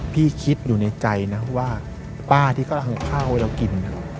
คิดอยู่ในใจนะว่าป้าที่กำลังข้าวให้เรากิน